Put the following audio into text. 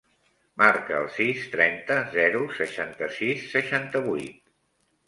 Marca el sis, trenta, zero, seixanta-sis, seixanta-vuit.